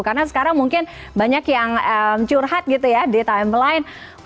karena sekarang mungkin banyak yang curhat gitu ya di timeline